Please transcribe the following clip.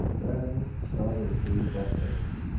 Then started to breakfast.